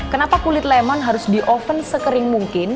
kenapa kulit lemon harus di oven sekering mungkin